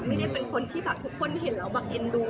ไม่ได้เป็นคนที่แบบทุกคนเห็นแล้วแบบเอ็นดู